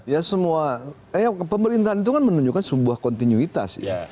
ya semua eh pemerintahan itu kan menunjukkan sebuah kontinuitas ya